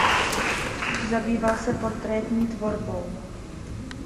Zabýval se portrétní tvorbou.